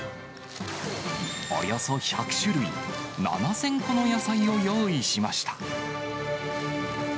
およそ１００種類、７０００個の野菜を用意しました。